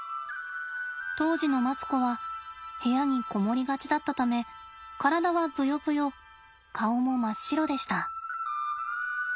当時のマツコは部屋に籠もりがちだったため体はぶよぶよ顔も真っ白でした。